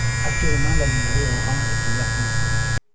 Actuellement la livrée est orange et vert foncé.